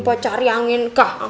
bacari angin kah